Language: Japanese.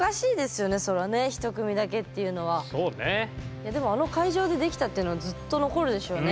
いやでもあの会場でできたっていうのはずっと残るでしょうね。